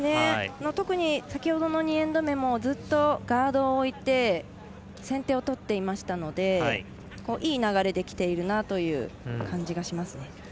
特に先ほどの２エンド目もずっとガードを置いて先手を取っていましたのでいい流れで、きているなという感じがしますね。